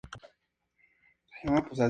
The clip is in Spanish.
Vive y trabaja en Madrid y Alicante.